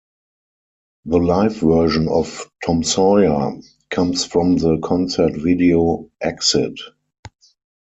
The live version of "Tom Sawyer" comes from the concert video Exit...